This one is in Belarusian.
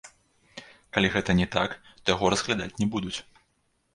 Калі гэта не так, то яго разглядаць не будуць.